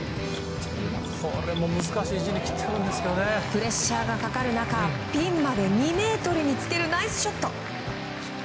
プレッシャーがかかる中ピンまで２ｍにつけるナイスショット。